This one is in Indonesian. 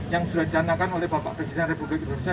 yang sudah dicanakan oleh bapak presiden republik indonesia